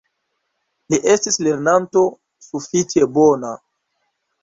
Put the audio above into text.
Li estis lernanto sufiĉe bona.